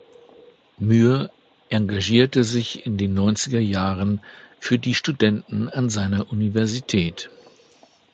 Myhre engagierte sich in den neunziger Jahren für die Studenten an seiner Universität.